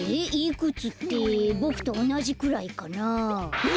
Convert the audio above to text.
いくつってボクとおなじくらいかな？